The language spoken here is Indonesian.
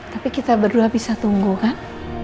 tapi kita berdua bisa tunggu kan